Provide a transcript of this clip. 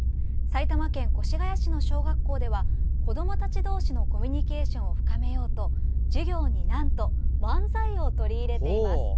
埼玉県越谷市の小学校では子どもたち同士のコミュニケーションを深めようと授業に、なんと漫才を取り入れています。